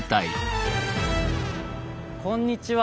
こんにちは。